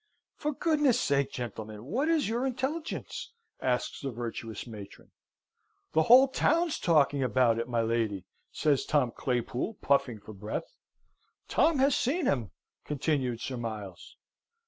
"For goodness' sake, gentlemen, what is your intelligence?" asks the virtuous matron. "The whole town's talking about it, my lady!" says Tom Claypool puffing for breath. "Tom has seen him," continued Sir Miles.